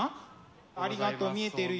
ありがとう見えてるよ。